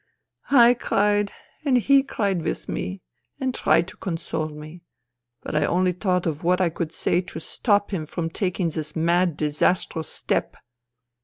" I cried and he cried with me and tried to console me, but I only thought of what I could say to stop him from taking this mad, disastrous step.